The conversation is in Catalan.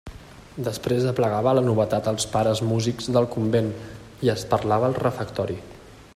Després aplegava la novetat als pares músics del convent i es parlava al refectori.